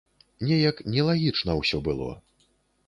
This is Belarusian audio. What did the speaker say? Неяк нелагічна ўсё было.